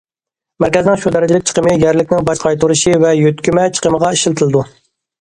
مەركەزنىڭ شۇ دەرىجىلىك چىقىمى، يەرلىكنىڭ باج قايتۇرۇشى ۋە يۆتكىمە چىقىمغا ئىشلىتىلىدۇ.